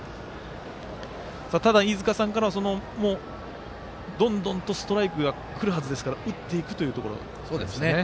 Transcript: ただ飯塚さんからはどんどんとストライクがくるはずですから打っていくということですね。